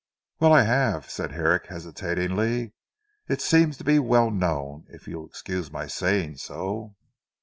"Well I have," said Herrick hesitating, "it seems to be well known, if you will excuse my saying so."